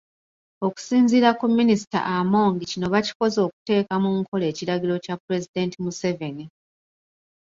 Okusinziira ku Minisita Amongi kino bakikoze okuteeka mu nkola ekiragiro kya Pulezidenti Museveni